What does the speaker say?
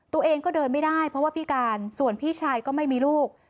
ตัวเองก็เดินไม่ได้เพราะว่าพิการส่วนพี่ชายก็ไม่มีลูก